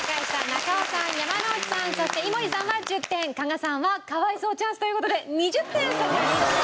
中尾さん山之内さんそして井森さんは１０点加賀さんは可哀想チャンスという事で２０点差し上げます。